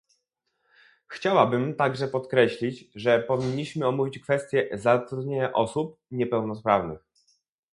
Chciałabym także podkreślić, że powinniśmy omówić kwestię zatrudnienia osób niepełnosprawnych